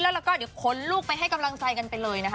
แล้วก็เดี๋ยวขนลูกไปให้กำลังใจกันไปเลยนะคะ